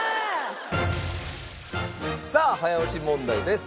さあ早押し問題です。